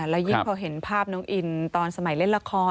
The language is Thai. แล้วยิ่งพอเห็นภาพน้องอินตอนสมัยเล่นละคร